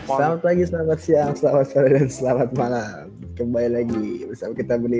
selamat pagi selamat siang selamat sore dan selamat malam kembali lagi bersama kita budi